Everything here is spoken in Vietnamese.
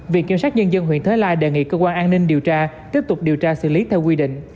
viện kiểm sát nhân dân huyện thới lai đề nghị cơ quan an ninh điều tra tiếp tục điều tra xử lý theo quy định